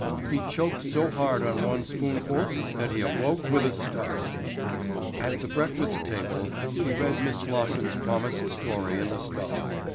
He choked so hard on one spoonful that he awoke with a start. At the breakfast table he read Miss Slosson's promised story in the Star.